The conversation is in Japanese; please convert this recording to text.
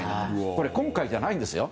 これは今回じゃないんですよ。